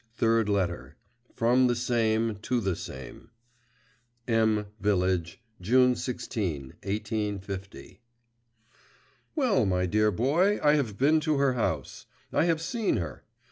THIRD LETTER From the SAME to the SAME M VILLAGE, June 16, 1850. Well, my dear boy, I have been to her house; I have seen her.